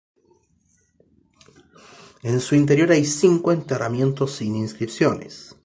En su interior hay cinco enterramientos sin inscripciones.